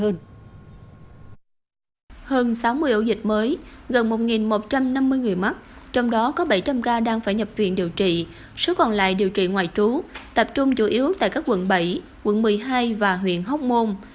hơn sáu mươi ổ dịch mới gần một một trăm năm mươi người mắc trong đó có bảy trăm linh ca đang phải nhập viện điều trị số còn lại điều trị ngoại trú tập trung chủ yếu tại các quận bảy quận một mươi hai và huyện hóc môn